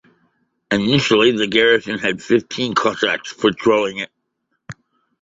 Initially the garrison had fifteen Cossacks patrolling it.